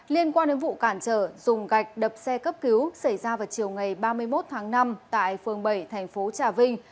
liên quan đến vụ cản trở dùng gạch đập xe cấp cứu xảy ra vào chiều ngày ba mươi một tháng năm tại phường bảy thành phố trà vinh